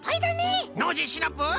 ノージーシナプー！